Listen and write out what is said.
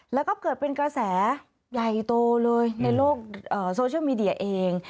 แล้วก็เกิดเป็นกระแสใหญ่โตเลยในโลกโซเชียลมีเดียเอง